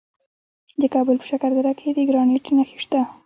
د کابل په شکردره کې د ګرانیټ نښې شته.